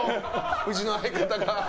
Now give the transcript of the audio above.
うちの相方が。